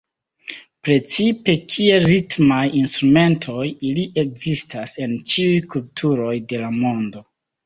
Precipe kiel ritmaj instrumentoj ili ekzistas en ĉiuj kulturoj de la mondo.